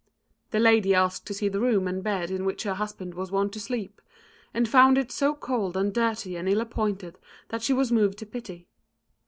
The lady asked to see the room and bed in which her husband was wont to sleep, and found it so cold and dirty and ill appointed that she was moved to pity.